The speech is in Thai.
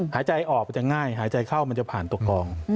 หายใจออกมันจะง่ายหายใจเข้ามันจะผ่านตัวกอง